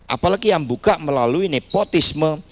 apalagi yang buka melalui nepotisme